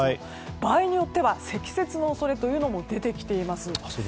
場合によっては積雪の恐れというのも出てきています。